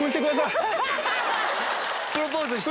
プロポーズした。